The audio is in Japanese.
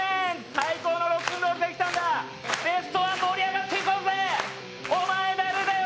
最高のロックンロールできたんだベストワン盛り上がっていこうぜお前誰だよ！